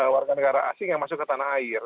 warga negara asing yang masuk ke tanah air